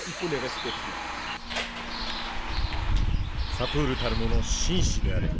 サプールたる者紳士であれ。